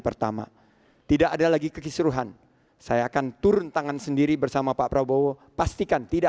pertama tidak ada lagi kekisruhan saya akan turun tangan sendiri bersama pak prabowo pastikan tidak